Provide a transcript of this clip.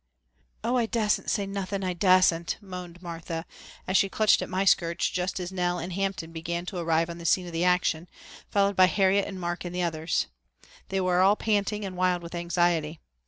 "Oh, I dasn't say nothing. I dasn't," moaned Martha, as she clutched at my skirts just as Nell and Hampton began to arrive on the scene of action, followed by Harriet and Mark and the others. They were all panting and wild with anxiety.